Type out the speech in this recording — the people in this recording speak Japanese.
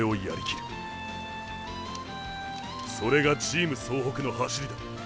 それがチーム総北の走りだ。